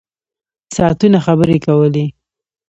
ساعتونه خبرې کولې.